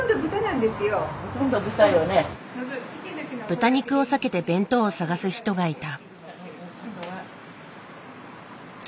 豚肉を避けて弁当を探す人がいた。